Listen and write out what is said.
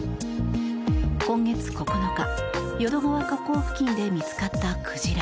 今月９日淀川河口付近で見つかった鯨。